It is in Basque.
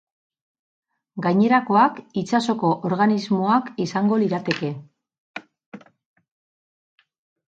Gainerakoak, itsasoko organismoak izango lirateke.